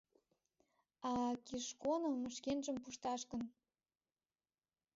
А Кишконым шкенжым пушташ гын?